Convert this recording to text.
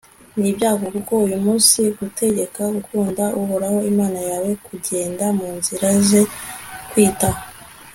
n'ibyago ; kuko uyu munsi ngutegeka gukunda uhoraho imana yawe, kugenda mu nzira ze, kwita